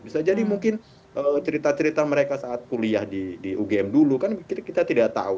bisa jadi mungkin cerita cerita mereka saat kuliah di ugm dulu kan kita tidak tahu